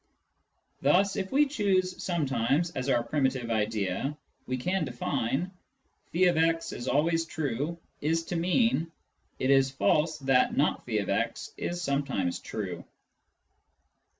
Thus if we choose " sometimes " as our primitive idea, We can define :"' tf>x is always true ' is to mean ' it is false that not ^« is sometimes true.'